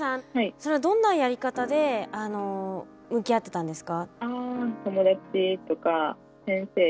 それはどんなやり方で向き合ってたんですか？